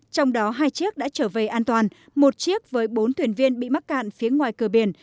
trong đó hai chiếc đã trở về an toàn một chiếc với bốn thuyền viên bị mắc cạn phía ngoài cửa biển